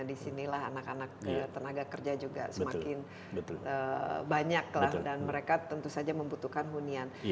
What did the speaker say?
disinilah anak anak tenaga kerja juga semakin banyak lah dan mereka tentu saja membutuhkan hunian